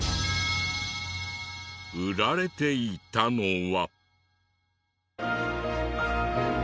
売られていたのは。